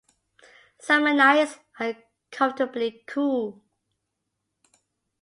Summer nights are comfortably cool.